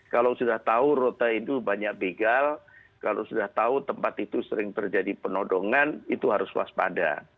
kalau sudah tahu rote itu banyak begal kalau sudah tahu tempat itu sering terjadi penodongan itu harus waspada